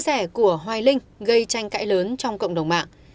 tuy nhiên chia sẻ của hoài linh gây tranh cãi lớn trong cộng đồng mạng